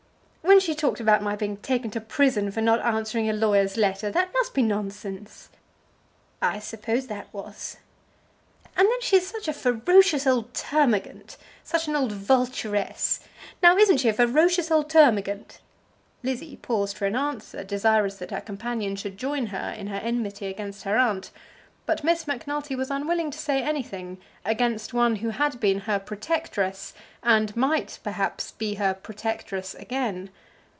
"When she talked about my being taken to prison for not answering a lawyer's letter, that must be nonsense?" "I suppose that was." "And then she is such a ferocious old termagant, such an old vulturess. Now isn't she a ferocious old termagant?" Lizzie paused for an answer, desirous that her companion should join her in her enmity against her aunt, but Miss Macnulty was unwilling to say anything against one who had been her protectress, and might, perhaps, be her protectress again.